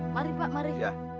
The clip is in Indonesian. mari pak mari